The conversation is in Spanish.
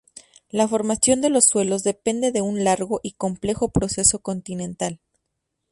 La formación de los suelos depende de un largo y complejo proceso continental.